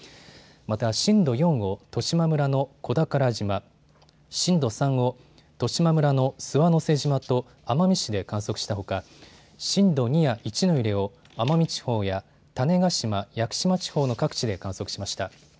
また震度４を十島村の小宝島、震度３を十島村の諏訪之瀬島と奄美市で観測したほか震度２や１の揺れを奄美地方や種子島・屋久島地方の各地で観測しました。